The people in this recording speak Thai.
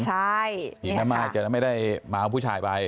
ผีแม่ไม้จะไม่ได้มาเอาผู้ชายไป